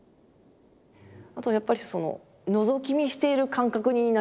あとやっぱりのぞき見している感覚になりますよね